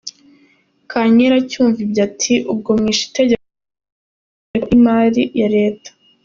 Kankera acyumva ibyo ati “ Ubwo mwishe itegeko rigenga ingengo y’imari ya leta.